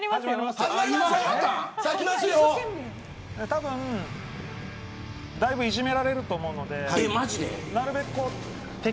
たぶん、だいぶいじめられると思うので。